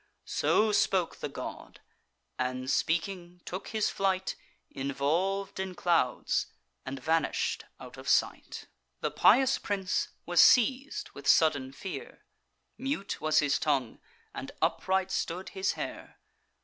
So spoke the god; and, speaking, took his flight, Involv'd in clouds, and vanish'd out of sight. The pious prince was seiz'd with sudden fear; Mute was his tongue, and upright stood his hair.